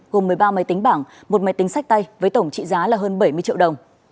gồm một mươi ba máy tính bảng một máy tính sách tay với tổng trị giá là hơn bảy mươi triệu đồng